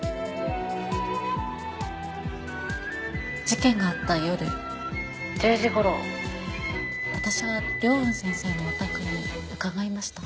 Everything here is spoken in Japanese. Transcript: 事件があった夜１０時頃私は凌雲先生のお宅に伺いました。